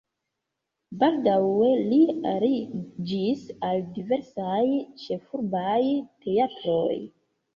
Baldaŭe li aliĝis al diversaj ĉefurbaj teatroj.